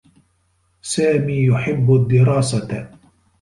سامي يحبّ الدّراسة.